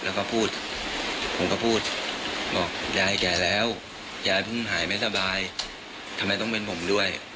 แล้วก็พูดผมก็พูดบอกยายแก่แล้วยายเพิ่งหายไม่สบายทำไมต้องเป็นผมด้วย